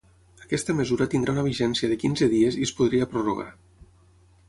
Aquesta mesura tindrà una vigència de quinze dies i es podria prorrogar.